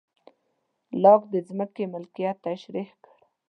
لاک د ځمکې مالکیت تشرېح کړ.